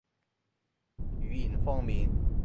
語言方面